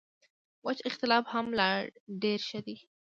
وچ اختلاف هم لا ډېر ښه دی.